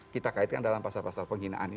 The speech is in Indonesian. kita kaitkan dalam pasal pasal penghinaan ini